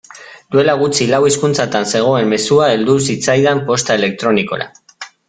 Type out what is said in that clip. Duela gutxi lau hizkuntzatan zegoen mezua heldu zitzaidan posta elektronikora.